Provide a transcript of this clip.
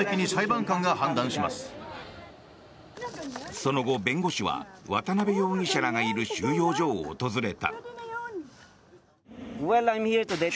その後、弁護士は渡邉容疑者らがいる収容所を訪れた。